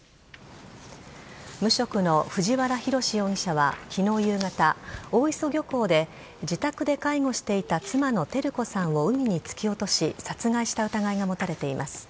無職の藤原宏容疑者は昨日夕方大磯漁港で、自宅で介護していた妻の照子さんを海に突き落とし殺害した疑いが持たれています。